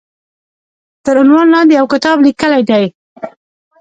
تر عنوان لاندې يو کتاب ليکلی دی